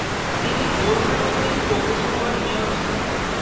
তিনি বোরহানউদ্দিন পৌরসভার মেয়র ছিলেন।